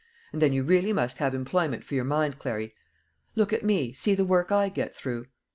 And then you really must have employment for your mind, Clary. Look at me; see the work I get through."